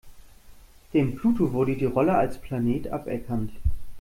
Dem Pluto wurde die Rolle als Planet aberkannt.